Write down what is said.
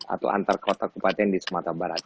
atau antar kota kepaten di sumatera barat